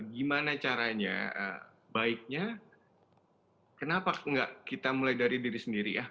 gimana caranya baiknya kenapa nggak kita mulai dari diri sendiri ya